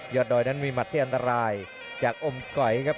ดอยนั้นมีหัดที่อันตรายจากอมก๋อยครับ